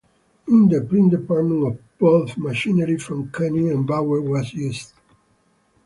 In the print department of both, machinery from Koenig and Bauer was used.